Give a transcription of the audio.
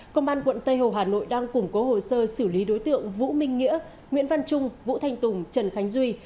công an quận tây hồ hà nội đang củng cố hồ sơ xử lý đối tượng vũ minh nghĩa nguyễn văn trung vũ thanh tùng trần khánh duy